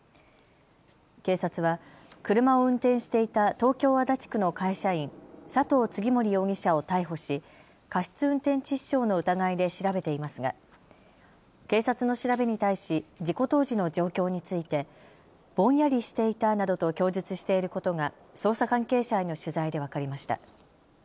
警察は車を運転していた東京足立区の会社員、佐藤次守容疑者を逮捕し過失運転致死傷の疑いで調べていますが警察の調べに対し事故当時の状況についてぼんやりしていたなどと供述していることが捜査関係者への取材で分かりました。